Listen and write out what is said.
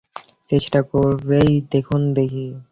চেষ্টা করেই দেখুন দেখি।